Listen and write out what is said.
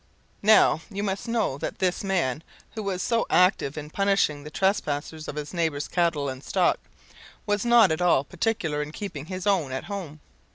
Now, you must know that this man, who was so active in punishing the trespasses of his neighbours' cattle and stock, was not at all particular in keeping his own at home.